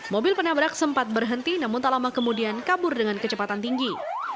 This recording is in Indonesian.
mobil penabrak sempat berhenti namun tak lama kemudian kabur dengan kecepatan tinggi